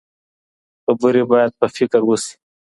خبرې بايد په فکر وشي.